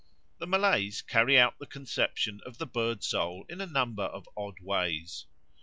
The Malays carry out the conception of the bird soul in a number of odd ways.